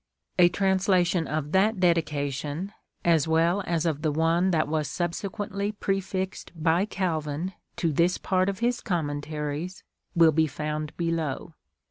A translation of that Dedication, as well as of the one that was subsequently prefixed by Calvin to this part of his Commentaries, will be found below.